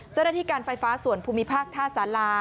เจ้าหน้าที่การไฟฟ้าส่วนภูมิภาคท่าสารา